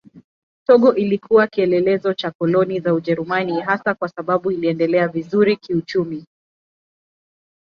Togo ilikuwa kielelezo cha koloni za Ujerumani hasa kwa sababu iliendelea vizuri kiuchumi.